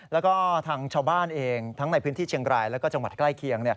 แล้วก็ทางชาวบ้านเองทั้งในพื้นที่เชียงรายแล้วก็จังหวัดใกล้เคียง